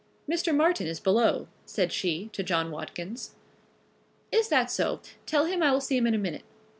"Mr. Martin is below," said she to John Watkins. "Is that so? Tell him I will see him in a minute."